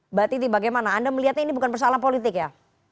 mbak titi bagaimana anda melihatnya ini bukan persoalan politik ya